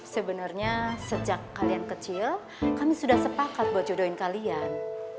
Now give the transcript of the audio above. sebenarnya sejak kalian kecil kami sudah sepakat buat jodohin kalian